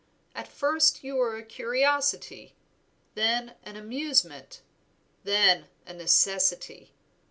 At first you were a curiosity, then an amusement, then a necessity.